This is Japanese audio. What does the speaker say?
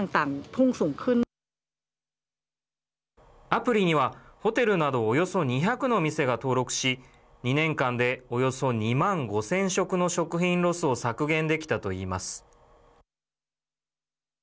アプリにはホテルなどおよそ２００の店が登録し２年間でおよそ２万５０００食の食品ロスを削減できたといいます。